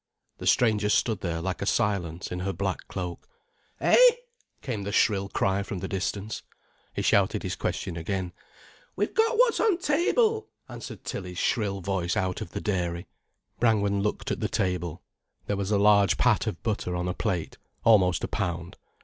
The stranger stood there like a silence in her black cloak. "Eh?" came the shrill cry from the distance. He shouted his question again. "We've got what's on t' table," answered Tilly's shrill voice out of the dairy. Brangwen looked at the table. There was a large pat of butter on a plate, almost a pound.